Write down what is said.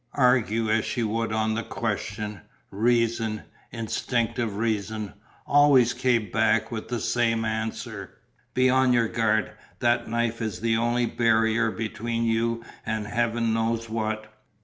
Argue as she would on the question, reason, instinctive reason, always came back with the same answer: "Be on your guard, that knife is the only barrier between you and heaven knows what.